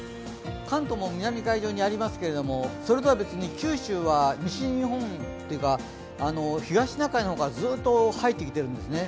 関東も南海上にありますけど、それとは別に九州は西日本というか東シナ海からずっと入ってきているんですね。